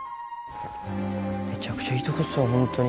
めちゃくちゃいいとこっすよ、本当に。